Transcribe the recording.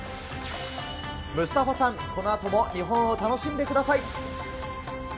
ムスタファさん、このあとも日本を楽しんでください。